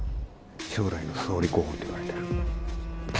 将来の総理候補といわれてる。